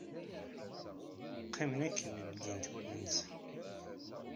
Qqimen akken ldint wallen-nsen.